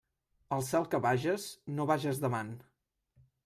Al cel que vages, no vages davant.